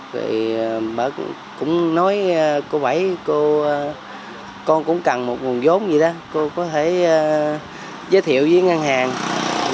vì bà cũng nói cô bảy con cũng cần một nguồn vốn gì đó cô có thể giới thiệu với ngân hàng gì đó